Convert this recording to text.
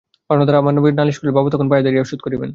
পাওনাদার আমার নামে নালিশ করিলে বাবা তখন দায়ে পড়িয়া শোধ করিবেন।